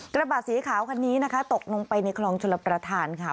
กระบะสีขาวคันนี้นะคะตกลงไปในคลองชลประธานค่ะ